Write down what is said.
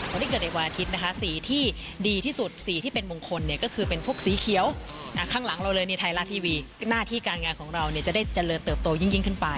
คนที่เกิดในวันอาทิตย์นะคะสีที่ดีที่สุดสีที่เป็นมงคลเนี่ยก็คือเป็นพวกสีเขียวข้างหลังเราเลยในไทยรัฐทีวีหน้าที่การงานของเราเนี่ยจะได้เจริญเติบโตยิ่งขึ้นไป